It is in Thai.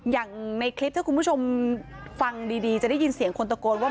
อย่างในคลิปถ้าคุณผู้ชมฟังดีจะได้ยินเสียงคนตะโกนว่า